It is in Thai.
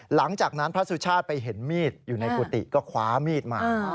หลังจากนั้นพระสุชาติไปเห็นมีดอยู่ในกุฏิก็คว้ามีดมา